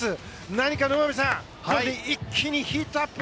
何か、野上さん一気にヒートアップ！